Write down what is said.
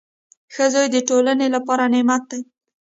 • ښه زوی د ټولنې لپاره نعمت وي.